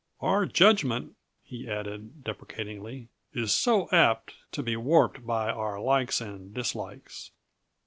Our judgment," he added deprecatingly, "is so apt to be warped by our likes and dislikes."